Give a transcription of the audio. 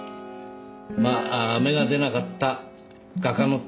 まあ芽が出なかった画家の典型ですね。